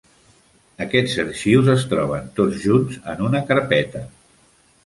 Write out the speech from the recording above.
Aquests arxius es troben tots junts en una carpeta.